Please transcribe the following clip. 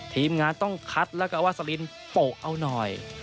ทีมงานต้องคัดแล้วก็วาสลินโปะเอาหน่อย